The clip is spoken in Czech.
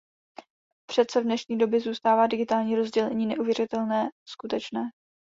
Přece v dnešní době zůstává digitální rozdělení neuvěřitelné skutečné.